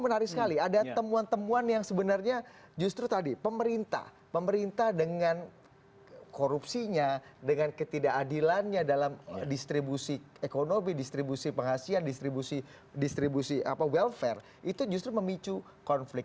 menarik sekali ada temuan temuan yang sebenarnya justru tadi pemerintah pemerintah dengan korupsinya dengan ketidakadilannya dalam distribusi ekonomi distribusi penghasilan distribusi welfare itu justru memicu konflik